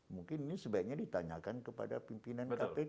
mungkin ini sebaiknya ditanyakan kepada pimpinan kpk